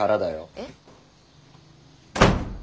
えっ？